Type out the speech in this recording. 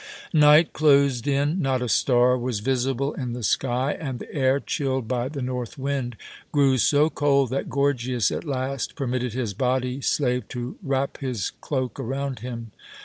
Night closed in. Not a star was visible in the sky, and the air, chilled by the north wind, grew so cold that Gorgias at last permitted his body slave to wrap his cloak around him.